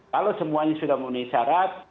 kalau semuanya sudah memenuhi syarat